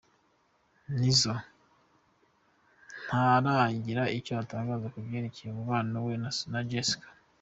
Nizzo ntaragira icyo atangaza ku byerekeye umubano we na Jessica.